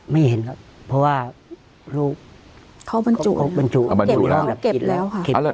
ไม่เห็นเพราะว่าลูกเขาเก็บแล้วค่ะ